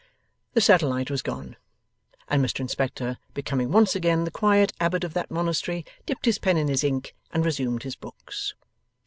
The satellite was gone; and Mr Inspector, becoming once again the quiet Abbot of that Monastery, dipped his pen in his ink and resumed his books.